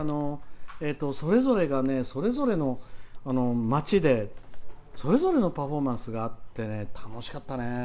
それぞれが、それぞれの町でそれぞれのパフォーマンスがあって楽しかったね。